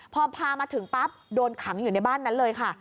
พอพามาถึงปั๊บโดนขังอยู่ในบ้านนั้นเลยค่ะ